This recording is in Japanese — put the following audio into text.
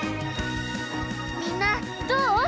みんなどう？